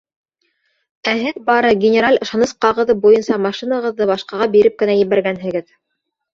Ә һеҙ бары генераль ышаныс ҡағыҙы буйынса машинағыҙҙы башҡаға биреп кенә ебәргәнһегеҙ.